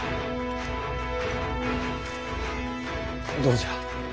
どうじゃ？